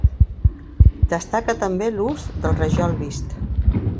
Destaca també l'ús del rajol vist.